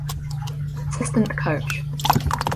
Assistant Coach